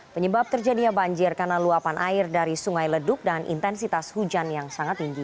penyebab terjadinya banjir karena luapan air dari sungai leduk dan intensitas hujan yang sangat tinggi